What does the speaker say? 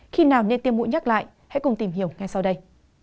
khi nào nên tiêm mũi nhắc lại hãy cùng tìm hiểu ngay sau đây